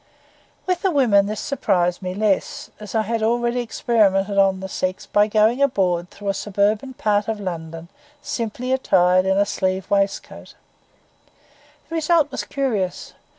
With the women this surprised me less, as I had already experimented on the sex by going abroad through a suburban part of London simply attired in a sleeve waistcoat. The result was curious.